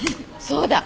そうだ。